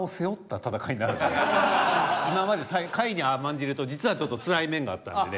今まで下位に甘んじると実はちょっとつらい面があったんでね。